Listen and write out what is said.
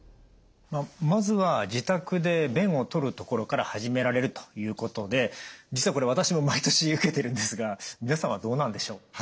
まずは自宅で便を採るところから始められるということで実はこれ私も毎年受けているんですが皆さんはどうなんでしょう？